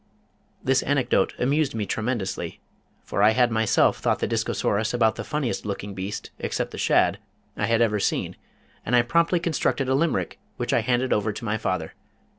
This anecdote amused me tremendously, for I had myself thought the Discosaurus about the funniest looking beast except the shad, I had ever seen, and I promptly constructed a limerick which I handed over to my father.